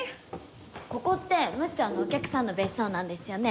ここってむっちゃんのお客さんの別荘なんですよね？